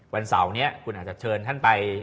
วันเสาร์นี้คุณอาจจะเชิญท่านไป